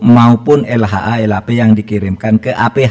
maupun lha lhp yang dikirimkan ke aph